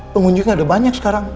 pengunjungnya udah banyak sekarang